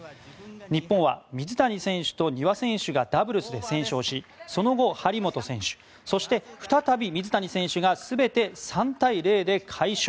日本は水谷選手と丹羽選手がダブルスで先勝しその後、張本選手そして再び水谷選手が全て３対０で快勝。